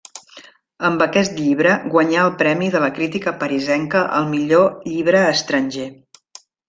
Amb aquest llibre guanyà el premi de la crítica parisenca al millor llibre estranger.